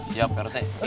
siap pak rete